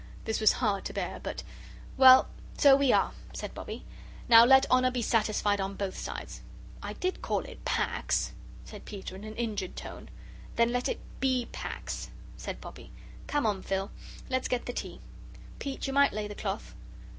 This was hard to bear. But "Well, so we are," said Bobbie. "Now let honour be satisfied on both sides." "I did call it Pax," said Peter, in an injured tone. "Then let it BE Pax," said Bobbie. "Come on, Phil, let's get the tea. Pete, you might lay the cloth."